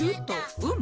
「うん！」